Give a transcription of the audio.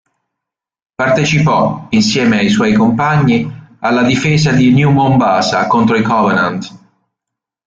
Partecipò, insieme ai suoi compagni, alla difesa di New Mombasa contro i Covenant.